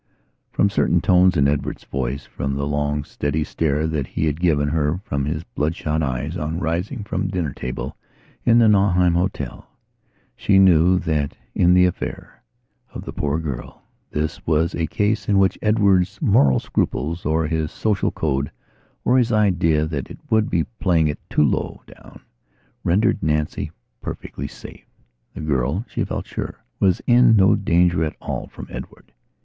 From certain tones in Edward's voice; from the long, steady stare that he had given her from his bloodshot eyes on rising from the dinner table in the Nauheim hotel, she knew that, in the affair of the poor girl, this was a case in which Edward's moral scruples, or his social code, or his idea that it would be playing it too low down, rendered Nancy perfectly safe. The girl, she felt sure, was in no danger at all from Edward.